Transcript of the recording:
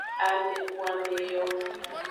Amebuame yo.